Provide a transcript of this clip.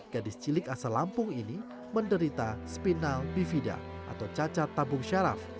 gadis cilik asal lampung ini menderita spinal bivida atau cacat tabung syaraf